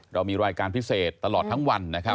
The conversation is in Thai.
เรามีรายการพิเศษตลอดทั้งวัน